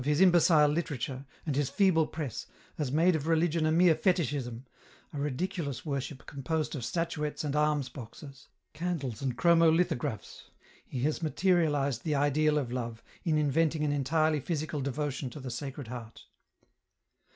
his imbecile literature, and his feeble press, has made of religion a mere fetishism, a ridiculous worship composed of statuettes and alms boxes ; candles and chromo litho graphs ; he has materialized the ideal of Love, in inventing an entirely physical devotion to the Sacred Heart.